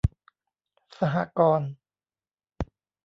สหกรณ์